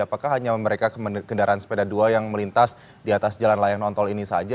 apakah hanya mereka kendaraan sepeda dua yang melintas di atas jalan layang nontol ini saja